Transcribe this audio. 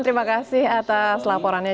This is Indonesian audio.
terima kasih atas laporannya